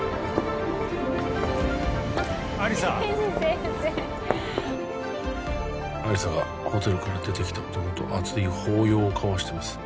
亜理紗姫路先生亜理紗がホテルから出てきた男と熱い抱擁を交わしてます